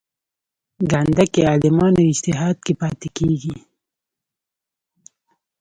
ګانده کې عالمانو اجتهاد کې پاتې کېږي.